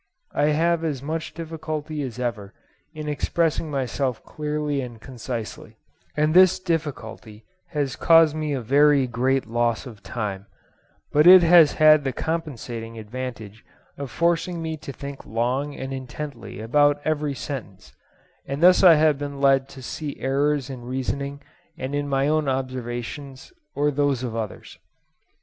I have as much difficulty as ever in expressing myself clearly and concisely; and this difficulty has caused me a very great loss of time; but it has had the compensating advantage of forcing me to think long and intently about every sentence, and thus I have been led to see errors in reasoning and in my own observations or those of others.